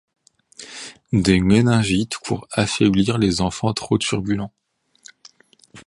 Des méningites pour affaiblir les enfants trop turbulents.